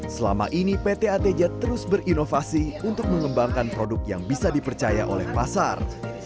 selama ini pt atj terus berinovasi untuk mengembangkan produk yang bisa dipercaya oleh pasar